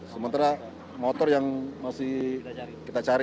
sementara motor yang masih kita cari